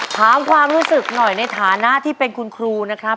ถามความรู้สึกหน่อยในฐานะที่เป็นคุณครูนะครับ